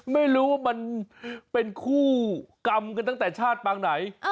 ไม่รู้ว่ามันเป็นคู่กรรมกันตั้งแต่ชาติปางไหน